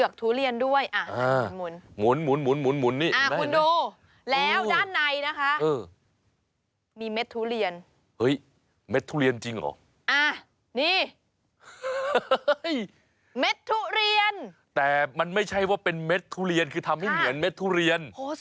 ใครจะไปชิมหมาไม่มี